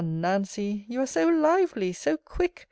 Nancy! You are so lively! so quick!